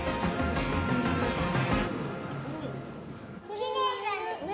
きれいだね